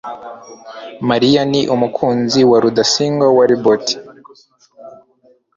mariya ni umukunzi wa rudasingwa (wallebot